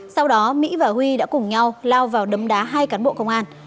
sau đó mỹ và huy đã cùng nhau lao vào đấm đá hai cán bộ công an